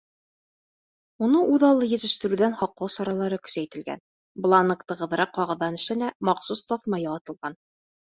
Уны үҙаллы етештереүҙән һаҡлау саралары көсәйтелгән: бланк тығыҙыраҡ ҡағыҙҙан эшләнә, махсус таҫма ялатылған.